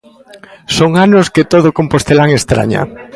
Son anos que todo compostelán estraña.